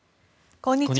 こんにちは。